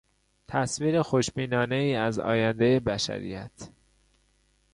تصویر خوشبینانهای از آیندهی بشریت